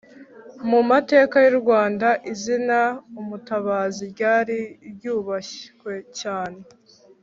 Mu mateka y’u Rwanda izina “Umutabazi” ryari ryubashywe cyane